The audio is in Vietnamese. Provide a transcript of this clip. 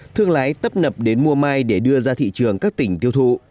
thương lái tấp nập đến mua mai để đưa ra thị trường các tỉnh tiêu thụ